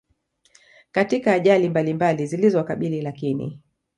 Katika ajali mbalumbali zilizo wakabili Lakini